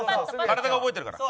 体が覚えてるから。